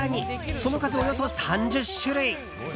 その数およそ３０種類。